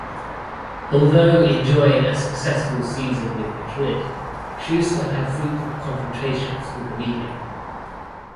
Although enjoying a successful season with Madrid, Schuster had frequent confrontations with the media.